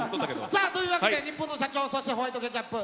さあというわけでニッポンの社長そしてホワイトケチャップ